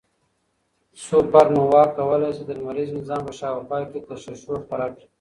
سوپرنووا کولای شي د لمریز نظام په شاوخوا کې تشعشع خپره کړي.